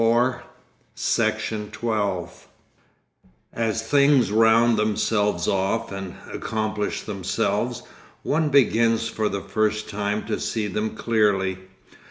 Section 11 As things round themselves off and accomplish themselves, one begins for the first time to see them clearly.